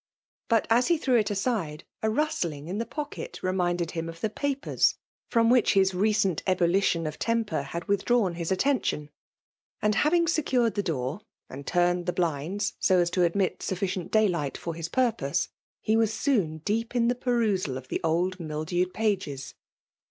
But, as he threw it aside, a rustling in the pocket re minded him of the papers from which his re cent ebullition of temper had withdrawn his F|£MALE DOMINATION. 53 attention ; and^ having secured the door, and turned the blinds so as to admit sufficient day light for his purpose, he was soon deep in the perusal of the old mildewed pages.